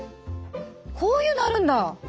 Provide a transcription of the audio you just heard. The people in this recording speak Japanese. こういうのあるんだ。